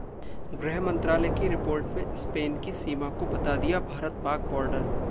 गृह मंत्रालय की रिपोर्ट में स्पेन की सीमा को बता दिया भारत-पाक बॉर्डर